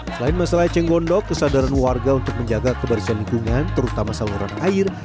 selain masalah eceng gondok kesadaran warga untuk menjaga kebersihan lingkungan terutama saluran air